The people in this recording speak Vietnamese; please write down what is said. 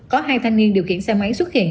có hai thanh niên điều khiển xe máy xuất hiện